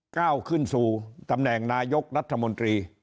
ก้าวขึ้นสู่ตำแหน่งนายกรัฐมนตรี